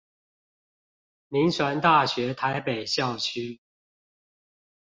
銘傳大學台北校區